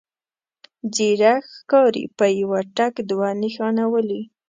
ځيرک ښکاري په يوه ټک دوه نښانه ولي.